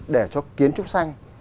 để cho kiến trúc xanh